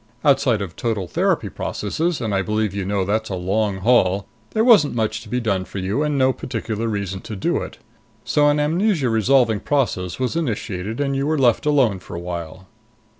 Outside of total therapy processes and I believe you know that's a long haul there wasn't much to be done for you, and no particular reason to do it. So an amnesia resolving process was initiated and you were left alone for a while.